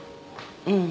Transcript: うん。